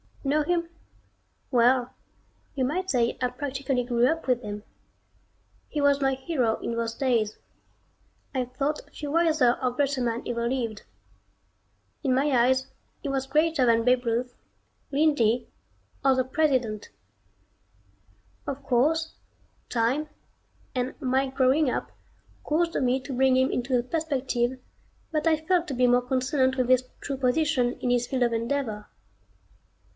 Know him? Well you might say I practically grew up with him. He was my hero in those days. I thought few wiser or greater men ever lived. In my eyes he was greater than Babe Ruth, Lindy, or the President. Of course, time, and my growing up caused me to bring him into a perspective that I felt to be more consonant with his true position in his field of endeavor.